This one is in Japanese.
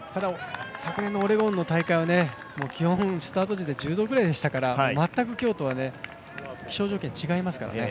昨年のオレゴンの大会は気温、スタート時で１０度ぐらいでしたから全く今日とは気象条件が違いますからね。